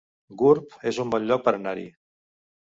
Gurb es un bon lloc per anar-hi